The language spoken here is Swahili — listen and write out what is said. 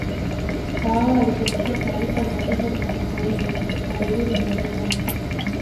kawawa aliposikia taarifa za kifo cha sokoine alirudi dar es Salaam